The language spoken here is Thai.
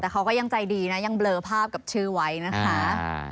แต่เขาก็ยังใจดีนะยังเบลอภาพกับชื่อไว้นะคะ